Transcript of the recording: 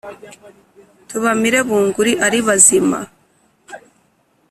tubamire bunguri ari bazima